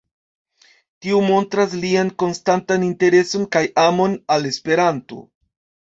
Tio montras lian konstantan intereson kaj amon al Esperanto.